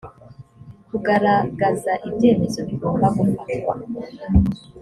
kugaragaza ibyemezo bigomba gufatwa